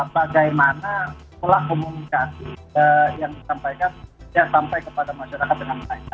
bagaimana pola komunikasi yang disampaikan ya sampai kepada masyarakat dengan baik